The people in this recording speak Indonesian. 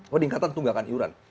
peningkatan tunggakan iuran